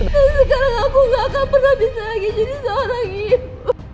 dan sekarang aku gak akan bisa lagi jadi seorang ibu